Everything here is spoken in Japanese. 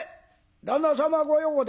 旦那様ご用で？」。